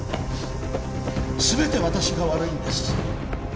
全て私が悪いんです。